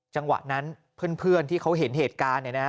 จังหวะนั้นเพื่อนที่เขาเห็นเหตุการณ์